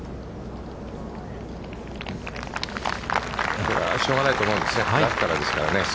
これはしょうがないと思うんですね、ラフからですからね。